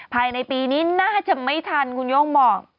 ภายในปีนี้น่าจะไม่ทันคุณโย่งบอก